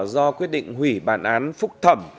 do quyết định hủy bản án phúc thẩm